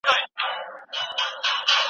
شیرازي، شیخ فریدالدین عطار او نور، یوازي شاعران